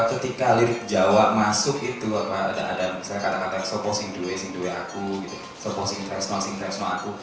bahwa ketika lirik jawa masuk itu ada misalnya kata kata yang sopo sing duwe sing duwe aku sopo sing transma sing transma aku